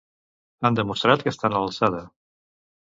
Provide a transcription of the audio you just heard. Han demostrat que estan a l'alçada.